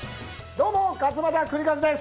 どうも勝俣州和です。